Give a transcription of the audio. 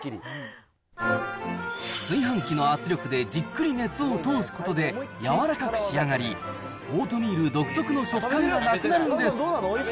炊飯器の圧力でじっくり熱を通すことで、柔らかく仕上がり、オートミール独特の食感がなくなるんです。